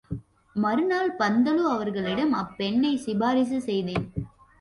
மறுநாள் பந்துலு அவர்களிடம் அப்பெண்ணைச் சிபாரிசு செய்தேன்.